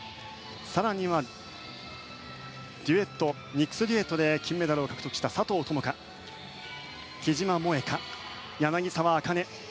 更には、ミックスデュエットで金メダルを獲得した佐藤友花木島萌香、柳澤明希